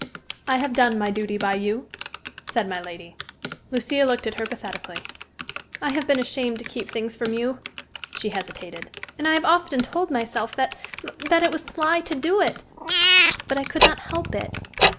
"I have done my duty by you," said my lady. Lucia looked at her pathetically. "I have been ashamed to keep things from you," she hesitated. "And I have often told myself that that it was sly to do it but I could not help it."